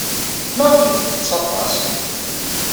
Maɣef ay tettett aṭas?